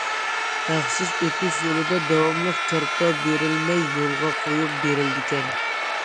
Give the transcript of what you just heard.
ھەقسىز ئۆتۈش يولىدا داۋاملىق كارتا بېرىلمەي يولغا قويۇپ بېرىلىدىكەن.